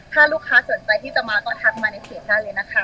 ถ้าลูกค้าสนใจที่จะมาก็ทักมาในเพจได้เลยนะคะ